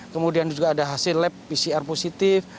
kemudian juga ada hasil lab pcr positif